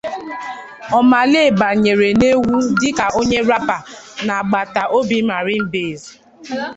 Omah Lay banyere n'egwú dị ka onye rapper na agbata obi Marine Base.